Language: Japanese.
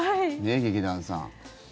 ね、劇団さん。